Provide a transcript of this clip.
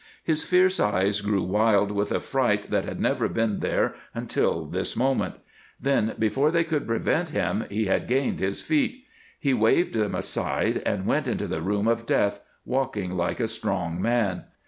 His fierce eyes grew wild with a fright that had never been there until this moment. Then, before they could prevent him, he had gained his feet. He waved them aside and went into the room of death, walking like a strong man.